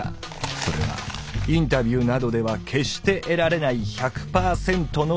それはインタビューなどでは決して得られない１００％の「リアル」！